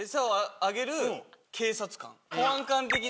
保安官的な。